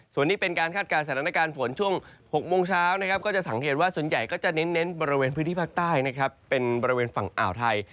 ส่วนนี้เป็นการคาดการณ์สถานการณ์ฝนช่วง๖โมงเช้านะครับก็จะสังเกตว่าส่วนใหญ่ก็จะเน้นบริเวณพื้นที่ภาคใต้นะครับเป็นบริเวณฝั่งอ่าวไทย